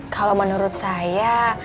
kalau menurut saya